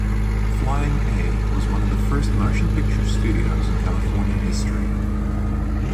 Flying A was one of the first motion pictures studios in California history.